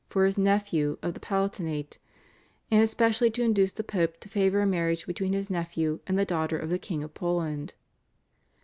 for his nephew of the Palatinate, and especially to induce the Pope to favour a marriage between this nephew and the daughter of the King of Poland.